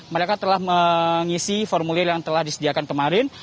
mereka telah mengisi formulir yang telah disediakan kemarin